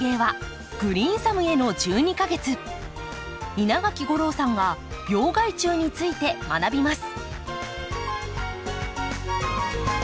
稲垣吾郎さんが病害虫について学びます。